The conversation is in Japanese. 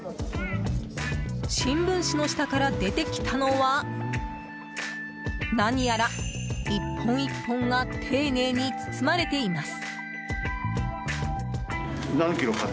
新聞紙の下から出てきたのは何やら１本１本が丁寧に包まれています。